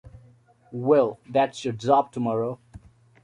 Well, that's your job tomorrow.